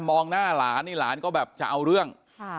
มองหน้าหลานนี่หลานก็แบบจะเอาเรื่อง